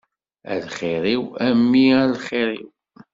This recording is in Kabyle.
A lxir-iw, a mmi a lxir-iw.